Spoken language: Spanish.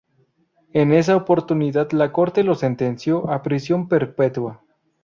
En esa oportunidad la Corte lo sentenció a prisión perpetua.